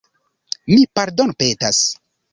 Mi pardonpetas!